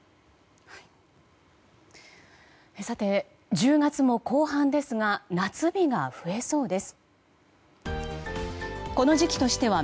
１０月も後半ですが夏日が増えそうです。